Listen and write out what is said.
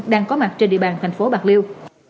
đang có mặt trên địa bàn thành phố bạc liêu